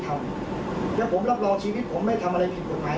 เขาอยากกล่าวหาก็ตามสบาย